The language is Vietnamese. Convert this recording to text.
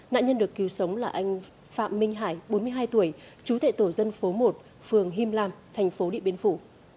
nạn nhân được cứu sống là anh phạm minh hải bốn mươi hai tuổi chú thệ tổ dân phố một phường him lam thành phố điện biên phủ